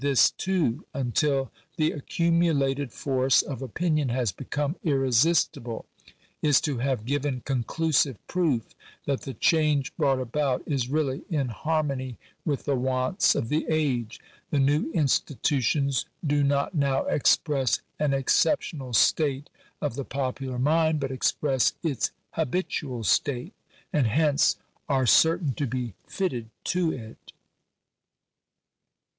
this, too, until the accumulated force of opinion has become irresistible, is to have given conclusive proof that the change brought about is really in harmony with the wants of the age. The new institutions do not now express an exceptional state of the popular mind, but express its habitual state, and hence are certain to be fitted to. it.